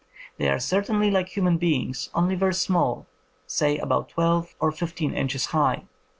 They are certainly like human beings, only very small, say about twelve or fifteen inches high.